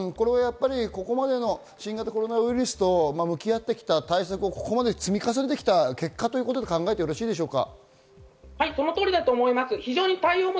ここまでの新型コロナウイルスと向き合ってきた対策を積み重ねてきた結果と考えてよろしいですか？